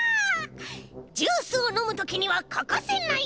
ジュースをのむときにはかかせない！